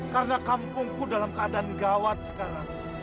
karena kampungku dalam keadaan gawat sekarang